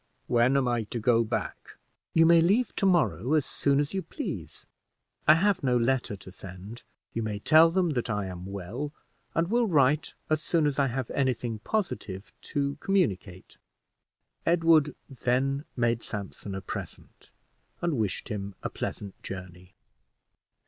"When am I to go back?" "You may leave to morrow as soon as you please. I have no letter to send. You may tell them that I am well, and will write as soon as I have any thing positive to communicate." Edward then made Sampson a present, and wished him a pleasant journey.